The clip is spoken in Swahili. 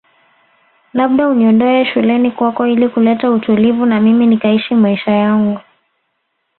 Labda uniondoe shuleni kwako ili kuleta utulivu na mimi nikaishi maisha yangu